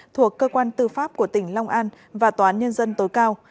thuộc cơ quan tư pháp của tỉnh long an và tòa án nhân dân tối cao